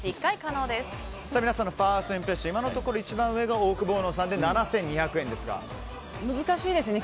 皆さんのファーストインプレッション一番上がオオクボーノさんで難しいですね。